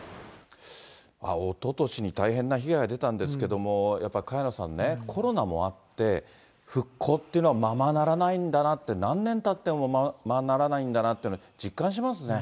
おととしに大変な被害が出たんですけど、萱野さんね、コロナもあって、復興っていうのはままならないんだなって、何年たってもままならないんだなって実感しますね。